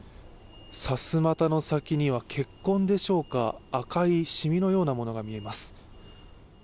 さすまたの先には、血痕でしょうか赤いシミのようなものが見えます。